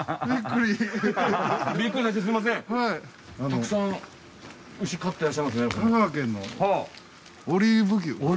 たくさん牛飼ってらっしゃいますね。